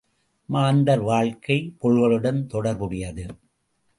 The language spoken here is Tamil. மாந்தர் வாழ்க்கை பொருள்களுடன் தொடர்புடையது.